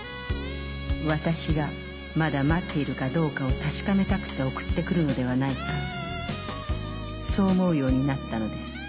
私がまだ待っているかどうかを確かめたくて送ってくるのではないかそう思うようになったのです。